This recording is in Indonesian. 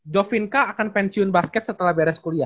jovin k akan pensiun basket setelah beres kuliah